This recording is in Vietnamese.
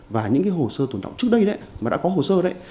và những hồ sơ thủ động trước đây mà đã có hồ sơ đấy